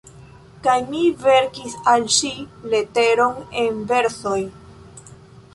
Kaj mi verkis al ŝi leteron en versoj».